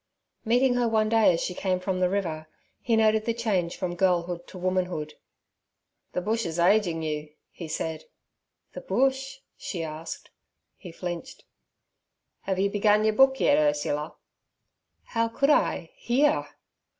Meeting her one day as she came from the river, he noted the change from girlhood to womanhood. 'The bush is ageing you' he said. 'The bush?' she asked. He flinched. 'Have you begun your book yet, Ursula?' 'How could I here?'